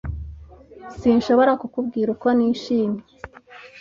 Sinshobora kukubwira uko nishimiye.